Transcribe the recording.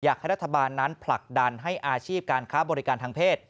รัฐบาลนั้นผลักดันให้อาชีพการค้าบริการทางเพศ